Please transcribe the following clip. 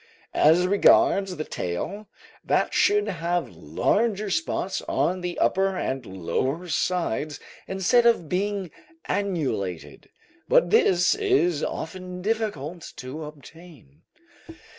As regards the tail, that should have large spots on the upper and lower sides instead of being annulated, but this is difficult to obtain.